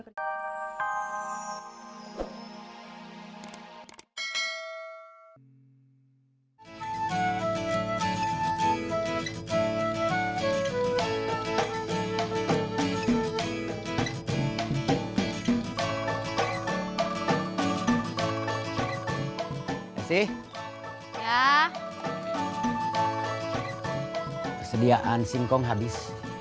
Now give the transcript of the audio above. kesediaan simkom habis